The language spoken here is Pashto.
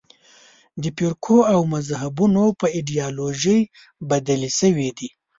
د فرقو او مذهبونو په ایدیالوژۍ بدلې شوې دي.